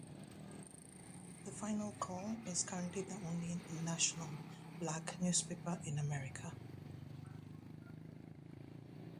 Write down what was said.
The "Final Call" is currently the only National Black newspaper in America.